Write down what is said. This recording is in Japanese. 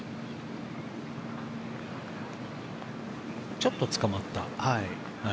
ちょっとつかまった。